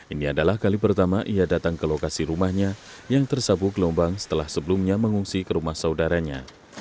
ini adalah kali pertama ia datang ke lokasi rumahnya yang tersabuk gelombang setelah sebelumnya mengungsi ke rumah saudaranya